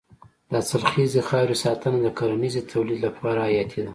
د حاصلخیزې خاورې ساتنه د کرنیزې تولید لپاره حیاتي ده.